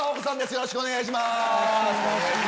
よろしくお願いします。